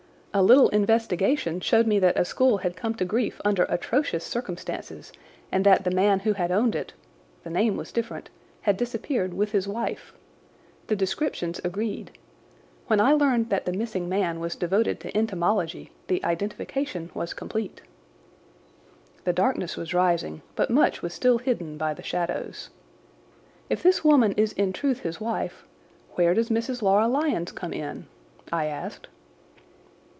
A little investigation showed me that a school had come to grief under atrocious circumstances, and that the man who had owned it—the name was different—had disappeared with his wife. The descriptions agreed. When I learned that the missing man was devoted to entomology the identification was complete." The darkness was rising, but much was still hidden by the shadows. "If this woman is in truth his wife, where does Mrs. Laura Lyons come in?" I asked.